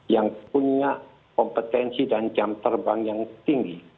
yang punya kompetensi dan jam terbang yang tinggi